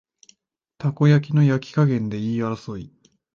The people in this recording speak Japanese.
たこ焼きの焼き加減で言い争い